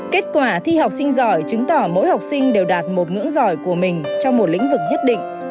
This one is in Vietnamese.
kết quả thi học sinh giỏi chứng tỏ mỗi học sinh đều đạt một ngưỡng giỏi của mình trong một lĩnh vực nhất định